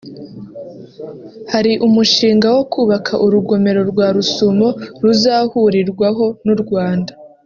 Hari umushinga wo kubaka urugomero rwa Rusumo ruzahurirwaho n’u Rwanda